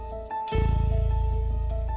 dek aku mau ke sana